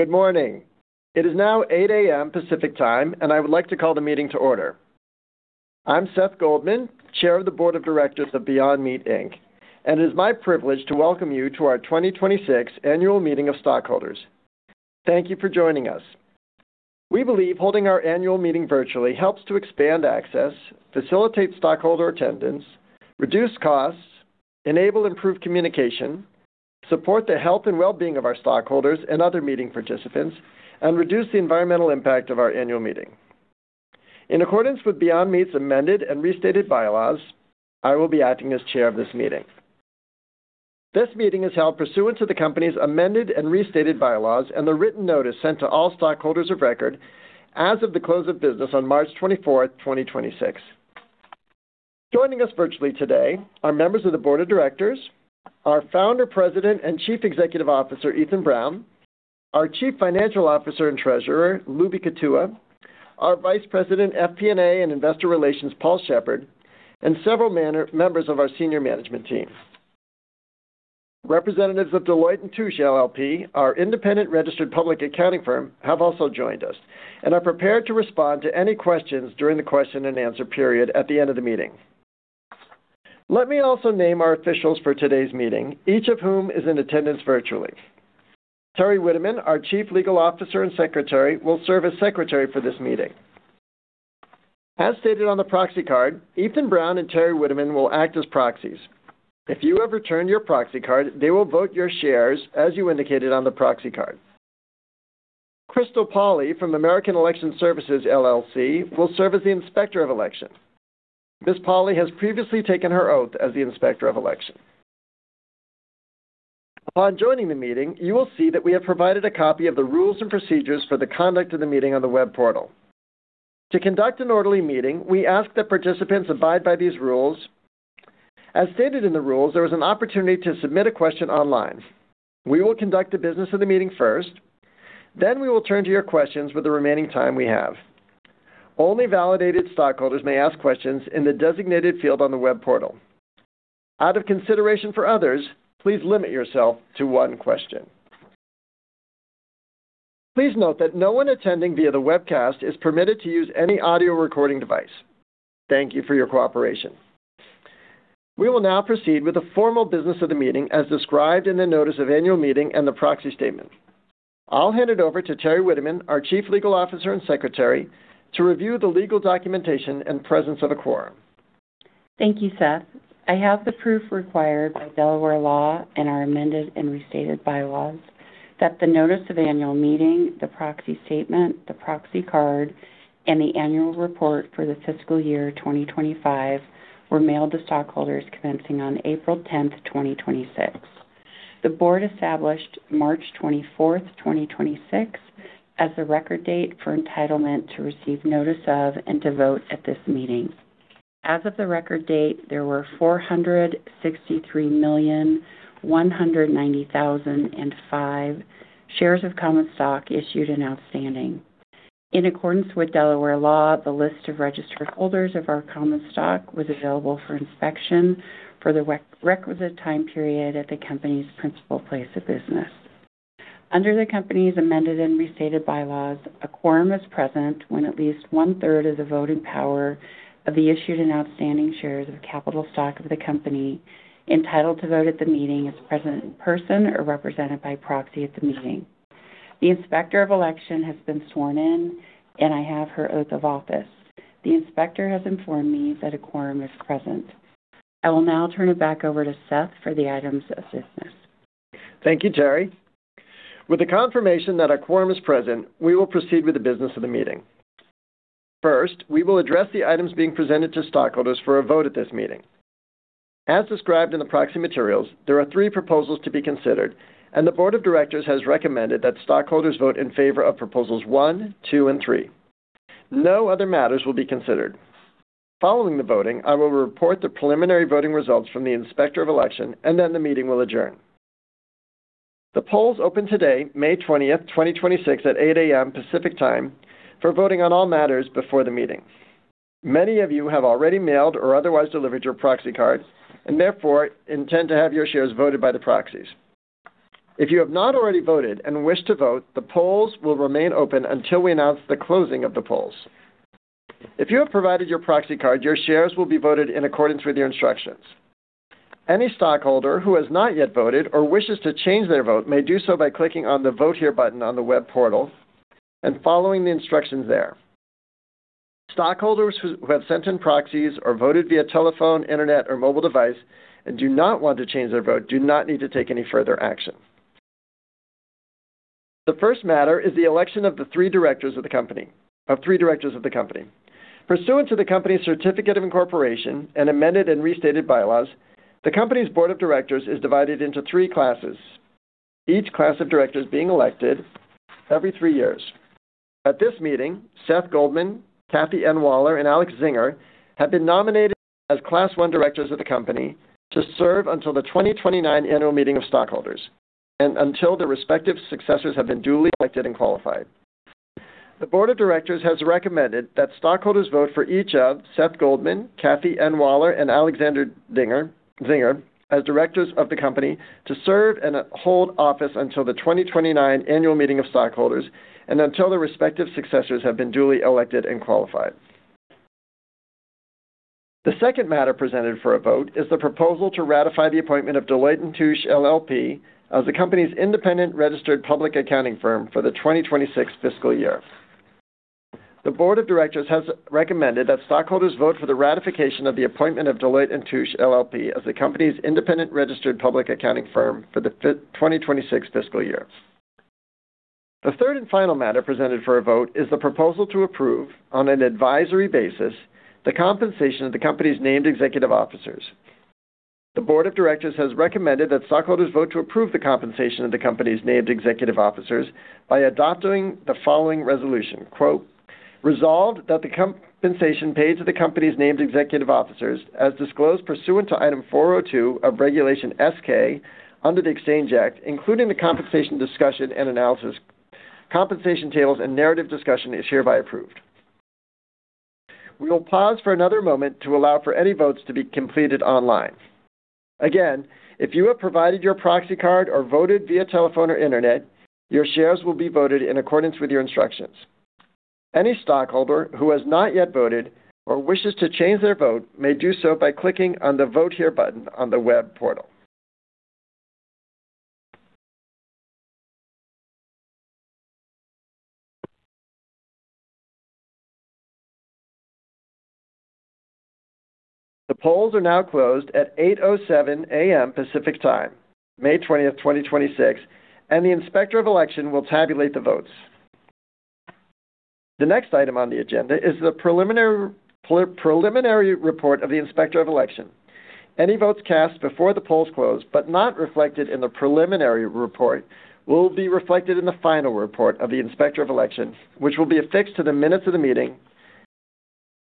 Good morning. It is now 8:00 A.M. Pacific Time, and I would like to call the meeting to order. I'm Seth Goldman, Chair of the Board of Directors of Beyond Meat Inc. It is my privilege to welcome you to our 2026 Annual Meeting of Stockholders. Thank you for joining us. We believe holding our annual meeting virtually helps to expand access, facilitate stockholder attendance, reduce costs, enable improved communication, support the health and wellbeing of our stockholders and other meeting participants, and reduce the environmental impact of our annual meeting. In accordance with Beyond Meat's amended and restated bylaws, I will be acting as chair of this meeting. This meeting is held pursuant to the company's amended and restated bylaws and the written notice sent to all stockholders of record as of the close of business on March 24th, 2026. Joining us virtually today are Members of the Board of Directors, our Founder, President, and Chief Executive Officer, Ethan Brown, our Chief Financial Officer and Treasurer, Lubi Kutua, our Vice President, FP&A and Investor Relations, Paul Sheppard, and several members of our senior management team. Representatives of Deloitte & Touche LLP, our independent registered public accounting firm, have also joined us and are prepared to respond to any questions during the question and answer period at the end of the meeting. Let me also name our officials for today's meeting, each of whom is in attendance virtually. Teri Witteman, our Chief Legal Officer and Secretary, will serve as secretary for this meeting. As stated on the proxy card, Ethan Brown and Teri Witteman will act as proxies. If you have returned your proxy card, they will vote your shares as you indicated on the proxy card. Christel Pauli from American Election Services, LLC will serve as the Inspector of Election. Ms. Pauli has previously taken her oath as the Inspector of Election. Upon joining the meeting, you will see that we have provided a copy of the rules and procedures for the conduct of the meeting on the web portal. To conduct an orderly meeting, we ask that participants abide by these rules. As stated in the rules, there is an opportunity to submit a question online. We will conduct the business of the meeting first, then we will turn to your questions with the remaining time we have. Only validated stockholders may ask questions in the designated field on the web portal. Out of consideration for others, please limit yourself to one question. Please note that no one attending via the webcast is permitted to use any audio recording device. Thank you for your cooperation. We will now proceed with the formal business of the meeting as described in the Notice of Annual Meeting and the Proxy Statement. I'll hand it over to Teri Witteman, our Chief Legal Officer and Secretary, to review the legal documentation and presence of a quorum. Thank you, Seth. I have the proof required by Delaware law and our amended and restated bylaws that the notice of annual meeting, the proxy statement, the proxy card, and the annual report for the fiscal year 2025 were mailed to stockholders commencing on April 10th, 2026. The board established March 24th, 2026, as the record date for entitlement to receive notice of and to vote at this meeting. As of the record date, there were 463,190,005 shares of common stock issued and outstanding. In accordance with Delaware law, the list of registered holders of our common stock was available for inspection for the requisite time period at the company's principal place of business. Under the company's amended and restated bylaws, a quorum is present when at least one-third of the voting power of the issued and outstanding shares of capital stock of the company entitled to vote at the meeting is present in person or represented by proxy at the meeting. The Inspector of Election has been sworn in, and I have her oath of office. The inspector has informed me that a quorum is present. I will now turn it back over to Seth for the items of business. Thank you, Teri. With the confirmation that a quorum is present, we will proceed with the business of the meeting. First, we will address the items being presented to stockholders for a vote at this meeting. As described in the proxy materials, there are three proposals to be considered, and the board of directors has recommended that stockholders vote in favor of proposals 1, 2, and 3. No other matters will be considered. Following the voting, I will report the preliminary voting results from the Inspector of Election, and then the meeting will adjourn. The polls opened today, May 20th, 2026, at 8:00 A.M. Pacific Time for voting on all matters before the meeting. Many of you have already mailed or otherwise delivered your proxy cards and therefore intend to have your shares voted by the proxies. If you have not already voted and wish to vote, the polls will remain open until we announce the closing of the polls. If you have provided your proxy card, your shares will be voted in accordance with your instructions. Any stockholder who has not yet voted or wishes to change their vote may do so by clicking on the Vote Here button on the web portal and following the instructions there. Stockholders who have sent in proxies or voted via telephone, internet, or mobile device and do not want to change their vote do not need to take any further action. The first matter is the election of three directors of the company. Pursuant to the company's certificate of incorporation and amended and restated bylaws, the company's board of directors is divided into three classes, each class of directors being elected every three years. At this meeting, Seth Goldman, Kathy N. Waller, and Alexandre Zyngier have been nominated as Class One directors of the company to serve until the 2029 annual meeting of stockholders and until their respective successors have been duly elected and qualified. The board of directors has recommended that stockholders vote for each of Seth Goldman, Kathy N. Waller, and Alexandre Zyngier as directors of the company to serve and hold office until the 2029 annual meeting of stockholders, and until their respective successors have been duly elected and qualified. The second matter presented for a vote is the proposal to ratify the appointment of Deloitte & Touche LLP as the company's independent registered public accounting firm for the 2026 fiscal year. The board of directors has recommended that stockholders vote for the ratification of the appointment of Deloitte & Touche LLP as the company's independent registered public accounting firm for the 2026 fiscal year. The third and final matter presented for a vote is the proposal to approve, on an advisory basis, the compensation of the company's named executive officers. The board of directors has recommended that stockholders vote to approve the compensation of the company's named executive officers by adopting the following resolution. Quote, "Resolved, that the compensation paid to the company's named executive officers, as disclosed pursuant to Item 402 of Regulation S-K under the Exchange Act, including the compensation discussion and analysis, compensation tables and narrative discussion, is hereby approved." We will pause for another moment to allow for any votes to be completed online. Again, if you have provided your proxy card or voted via telephone or internet, your shares will be voted in accordance with your instructions. Any stockholder who has not yet voted or wishes to change their vote may do so by clicking on the Vote Here button on the web portal. The polls are now closed at 8:07 A.M. Pacific Time, May 20th, 2026, and the inspector of election will tabulate the votes. The next item on the agenda is the preliminary report of the inspector of election. Any votes cast before the polls close but not reflected in the preliminary report will be reflected in the final report of the inspector of election, which will be affixed to the minutes of the meeting.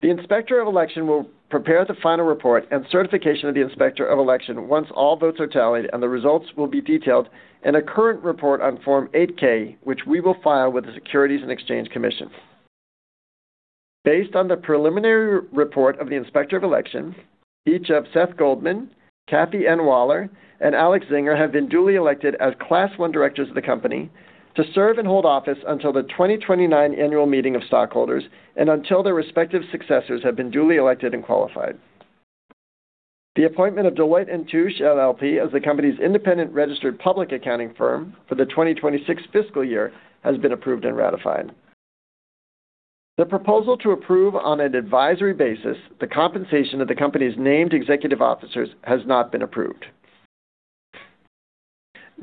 The inspector of election will prepare the final report and certification of the inspector of election once all votes are tallied, and the results will be detailed in a current report on Form 8-K, which we will file with the Securities and Exchange Commission. Based on the preliminary report of the inspector of election, each of Seth Goldman, Kathy N. Waller, and Alexandre Zyngier have been duly elected as Class I directors of the company to serve and hold office until the 2029 annual meeting of stockholders and until their respective successors have been duly elected and qualified. The appointment of Deloitte & Touche LLP as the company's independent registered public accounting firm for the 2026 fiscal year has been approved and ratified. The proposal to approve, on an advisory basis, the compensation of the company's named executive officers, has not been approved.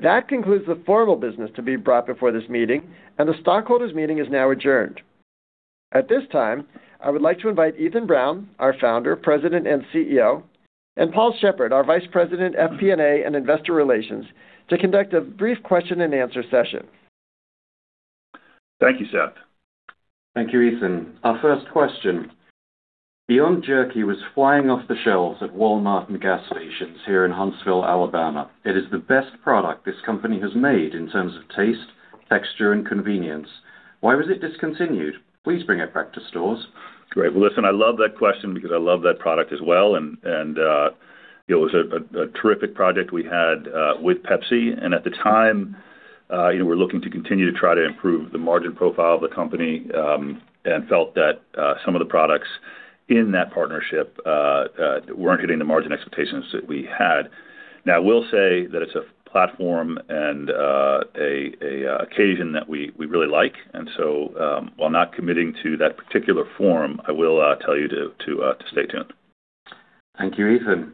That concludes the formal business to be brought before this meeting, and the stockholders' meeting is now adjourned. At this time, I would like to invite Ethan Brown, our Founder, President, and CEO, and Paul Sheppard, our Vice President, FP&A and Investor Relations, to conduct a brief question and answer session. Thank you, Seth. Thank you, Ethan. Our first question. Beyond Jerky was flying off the shelves at Walmart and gas stations here in Huntsville, Alabama. It is the best product this company has made in terms of taste, texture, and convenience. Why was it discontinued? Please bring it back to stores. Great. Well, listen, I love that question because I love that product as well, and it was a terrific product we had with PepsiCo. At the time, we were looking to continue to try to improve the margin profile of the company and felt that some of the products in that partnership weren't hitting the margin expectations that we had. Now, I will say that it's a platform and a occasion that we really like. While not committing to that particular form, I will tell you to stay tuned. Thank you, Ethan.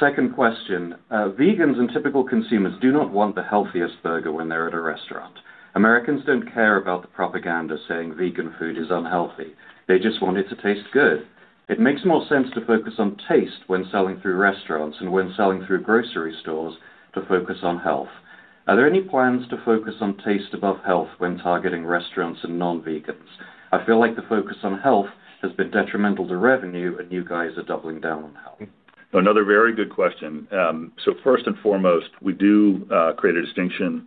Second question. Vegans and typical consumers do not want the healthiest burger when they're at a restaurant. Americans don't care about the propaganda saying vegan food is unhealthy. They just want it to taste good. It makes more sense to focus on taste when selling through restaurants and when selling through grocery stores to focus on health. Are there any plans to focus on taste above health when targeting restaurants and non-vegans? I feel like the focus on health has been detrimental to revenue, and you guys are doubling down on health. Another very good question. First and foremost, we do create a distinction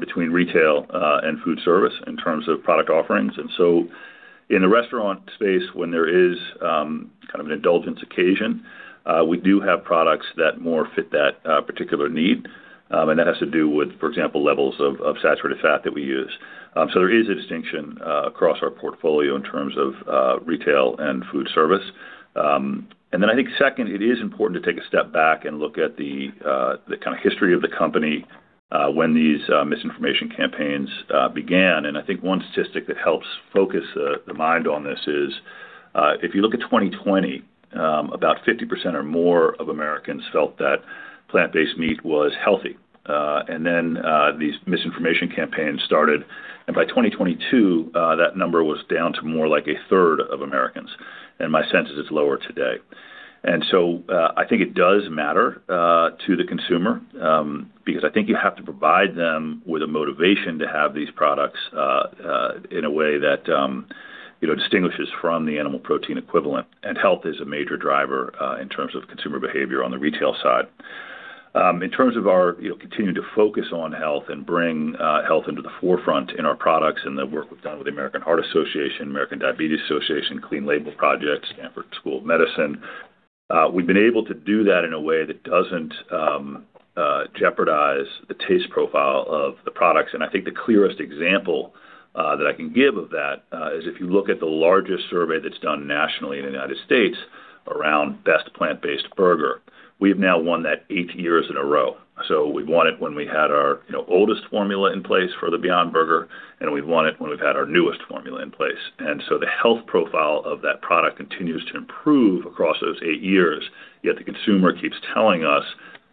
between retail and food service in terms of product offerings. In the restaurant space, when there is an indulgence occasion, we do have products that more fit that particular need. That has to do with, for example, levels of saturated fat that we use. There is a distinction across our portfolio in terms of retail and food service. I think second, it is important to take a step back and look at the history of the company when these misinformation campaigns began. I think one statistic that helps focus the mind on this is if you look at 2020, about 50% or more of Americans felt that plant-based meat was healthy. Then these misinformation campaigns started, and by 2022, that number was down to more like a third of Americans. My sense is it's lower today. So I think it does matter to the consumer, because I think you have to provide them with a motivation to have these products in a way that distinguishes from the animal protein equivalent. Health is a major driver in terms of consumer behavior on the retail side. In terms of our continuing to focus on health and bring health into the forefront in our products and the work we've done with the American Heart Association, American Diabetes Association, Clean Label Project, Stanford School of Medicine, we've been able to do that in a way that doesn't jeopardize the taste profile of the products. I think the clearest example that I can give of that is if you look at the largest survey that's done nationally in the U.S. around best plant-based burger, we have now won that eight years in a row. We've won it when we had our oldest formula in place for the Beyond Burger, and we've won it when we've had our newest formula in place. The health profile of that product continues to improve across those eight years, yet the consumer keeps telling us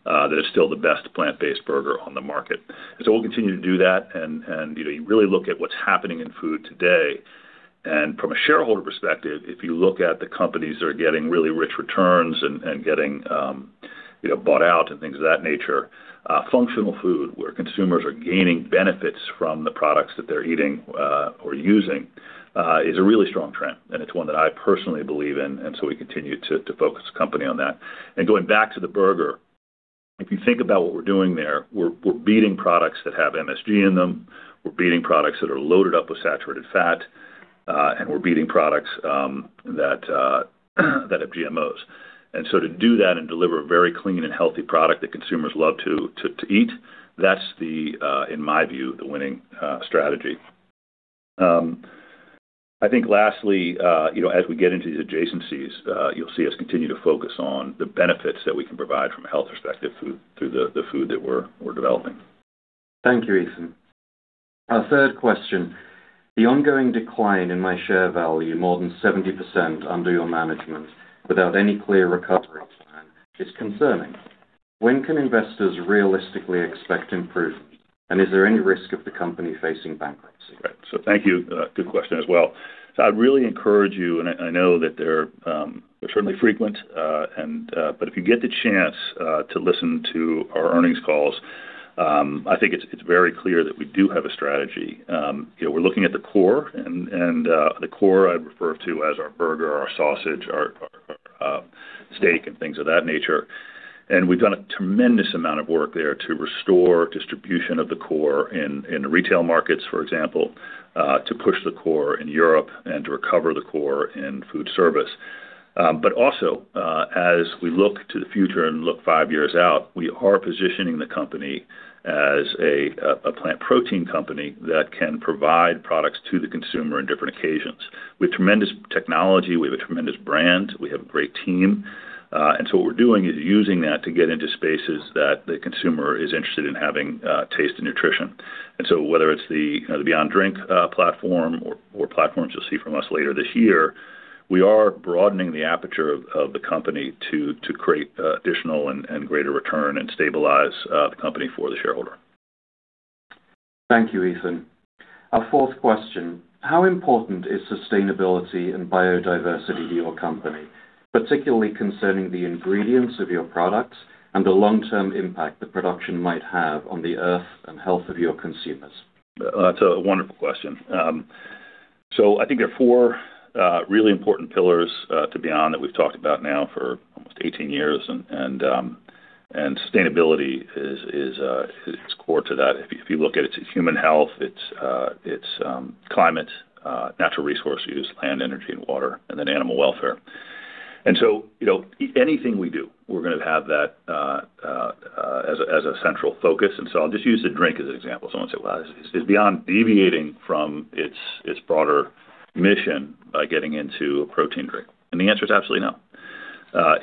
that it's still the best plant-based burger on the market. We'll continue to do that and you really look at what's happening in food today. From a shareholder perspective, if you look at the companies that are getting really rich returns and getting bought out and things of that nature, functional food where consumers are gaining benefits from the products that they're eating or using is a really strong trend, and it's one that I personally believe in. We continue to focus the company on that. Going back to the burger, if you think about what we're doing there, we're beating products that have MSG in them, we're beating products that are loaded up with saturated fat, and we're beating products that have GMOs. To do that and deliver a very clean and healthy product that consumers love to eat, that's the, in my view, the winning strategy. I think lastly, as we get into these adjacencies, you'll see us continue to focus on the benefits that we can provide from a health perspective through the food that we're developing. Thank you, Ethan. Our third question, the ongoing decline in my share value, more than 70% under your management without any clear recovery plan is concerning. When can investors realistically expect improvements, and is there any risk of the company facing bankruptcy? Right. Thank you. Good question as well. I'd really encourage you, and I know that they're certainly frequent. If you get the chance to listen to our earnings calls, I think it's very clear that we do have a strategy. We're looking at the core, and the core I refer to as our burger, our sausage, our steak, and things of that nature. We've done a tremendous amount of work there to restore distribution of the core in the retail markets, for example, to push the core in Europe and to recover the core in food service. Also, as we look to the future and look five years out, we are positioning the company as a plant protein company that can provide products to the consumer on different occasions. We have tremendous technology, we have a tremendous brand, we have a great team. What we're doing is using that to get into spaces that the consumer is interested in having taste and nutrition. Whether it's the Beyond Drink platform or platforms you'll see from us later this year, we are broadening the aperture of the company to create additional and greater return and stabilize the company for the shareholder. Thank you, Ethan. Our fourth question, how important is sustainability and biodiversity to your company, particularly concerning the ingredients of your products and the long-term impact the production might have on the earth and health of your consumers? That's a wonderful question. I think there are four really important pillars to Beyond that we've talked about now for almost 18 years, and sustainability is core to that. If you look at it's human health, it's climate, natural resource use, land, energy, and water, and then animal welfare. Anything we do, we're going to have that as a central focus. I'll just use the drink as an example. Someone said, "Well, is Beyond deviating from its broader mission by getting into a protein drink?" The answer is absolutely no.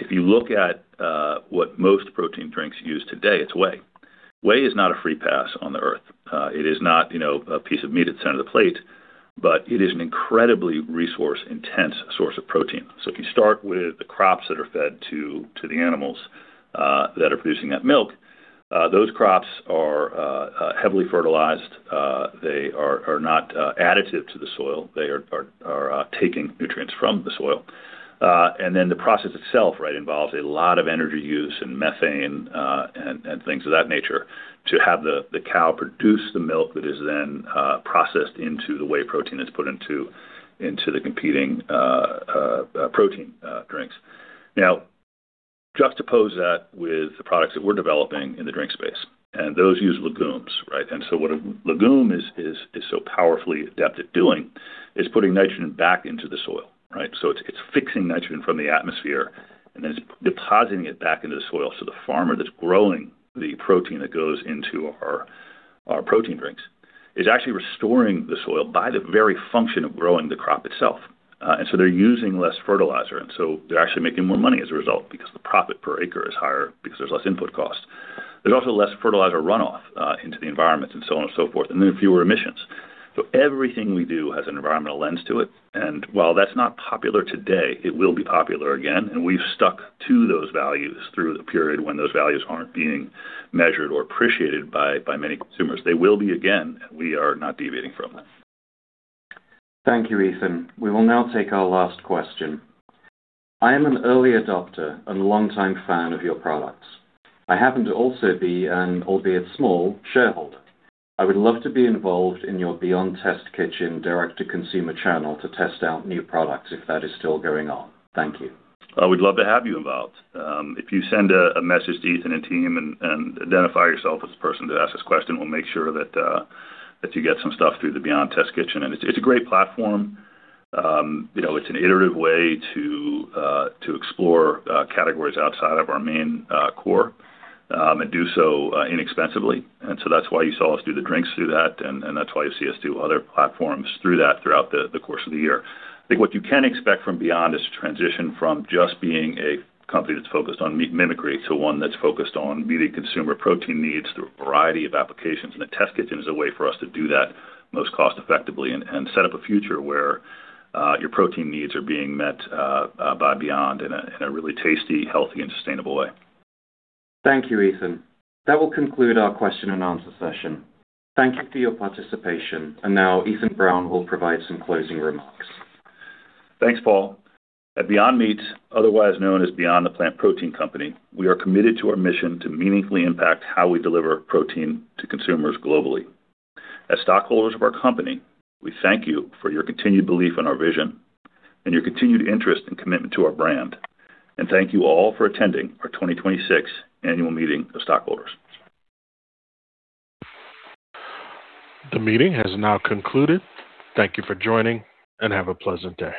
If you look at what most protein drinks use today, it's whey. Whey is not a free pass on the earth. It is not a piece of meat at the center of the plate, but it is an incredibly resource-intense source of protein. If you start with the crops that are fed to the animals that are producing that milk, those crops are heavily fertilized. They are not additive to the soil. They are taking nutrients from the soil. The process itself involves a lot of energy use and methane, and things of that nature to have the cow produce the milk that is then processed into the whey protein that's put into the competing protein drinks. Juxtapose that with the products that we're developing in the drink space, those use legumes, right? What a legume is so powerfully adept at doing is putting nitrogen back into the soil, right? It's fixing nitrogen from the atmosphere, and then it's depositing it back into the soil. The farmer that's growing the protein that goes into our protein drinks is actually restoring the soil by the very function of growing the crop itself. They're using less fertilizer, they're actually making more money as a result because the profit per acre is higher because there's less input cost. There's also less fertilizer runoff into the environment and so on and so forth, and then fewer emissions. Everything we do has an environmental lens to it. While that's not popular today, it will be popular again. We've stuck to those values through the period when those values aren't being measured or appreciated by many consumers. They will be again, and we are not deviating from that. Thank you, Ethan. We will now take our last question. I am an early adopter and longtime fan of your products. I happen to also be an, albeit small, shareholder. I would love to be involved in your Beyond Test Kitchen direct-to-consumer channel to test out new products if that is still going on. Thank you. We'd love to have you involved. If you send a message to Ethan and team and identify yourself as the person that asked this question, we'll make sure that you get some stuff through the Beyond Test Kitchen. It's a great platform. It's an iterative way to explore categories outside of our main core, and do so inexpensively. That's why you saw us do the drinks through that, and that's why you'll see us do other platforms through that throughout the course of the year. I think what you can expect from Beyond is to transition from just being a company that's focused on meat mimicry to one that's focused on meeting consumer protein needs through a variety of applications. The Test Kitchen is a way for us to do that most cost-effectively and set up a future where your protein needs are being met by Beyond in a really tasty, healthy, and sustainable way. Thank you, Ethan. That will conclude our question and answer session. Thank you for your participation. Now Ethan Brown will provide some closing remarks. Thanks, Paul. At Beyond Meat, otherwise known as Beyond The Plant Protein Company, we are committed to our mission to meaningfully impact how we deliver protein to consumers globally. As stockholders of our company, we thank you for your continued belief in our vision and your continued interest and commitment to our brand. Thank you all for attending our 2026 annual meeting of stockholders. The meeting has now concluded. Thank you for joining, and have a pleasant day.